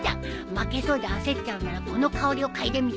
負けそうで焦っちゃうならこの香りを嗅いでみて。